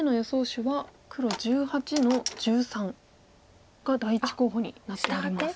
手は黒１８の十三が第１候補になっております。